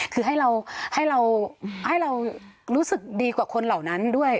คือให้เรารู้สึกดีกว่าคนเหล่านั้นด้วย